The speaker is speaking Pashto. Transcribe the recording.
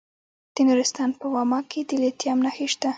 د نورستان په واما کې د لیتیم نښې شته.